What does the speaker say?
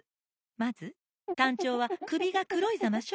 まずタンチョウはくびがくろいざましょ？